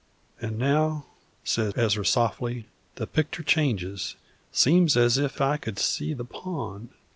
"And now," said Ezra, softly, "the pictur' changes; seems as if I could see the pond.